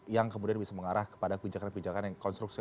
yang kemudian bisa mengarah kepada kebijakan kebijakan yang konstruksi